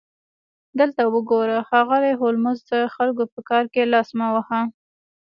دلته وګوره ښاغلی هولمز د خلکو په کار کې لاس مه وهه